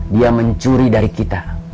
dia mencuri dari kita